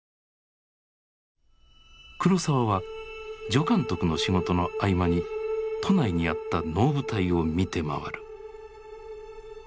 黒澤は助監督の仕事の合間に都内にあった能舞台を見て回る。